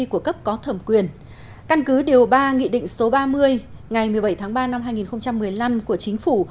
của cấp có thẩm quyền căn cứ điều ba nghị định số ba mươi ngày một mươi bảy tháng ba năm hai nghìn một mươi năm của chính phủ